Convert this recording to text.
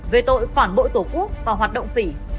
về tội phản bội tổ quốc và hoạt động phỉ